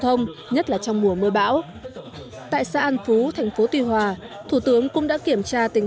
thông nhất là trong mùa mưa bão tại xã an phú thành phố tuy hòa thủ tướng cũng đã kiểm tra tình